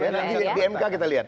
nanti di mk kita lihat